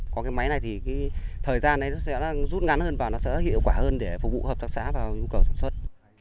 có cái máy này thì cái thời gian này nó sẽ rút ngắn hơn và nó sẽ hiệu quả hơn để phục vụ hợp tác xã vào nhu cầu sản xuất